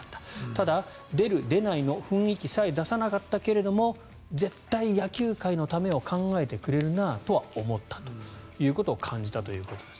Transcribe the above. ただ、出る、出ないの雰囲気さえ出さなかったけれども絶対、野球界のためを考えてくれるなとは思ったと感じたということです。